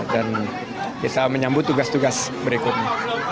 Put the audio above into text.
dan bisa menyambut tugas tugas berikutnya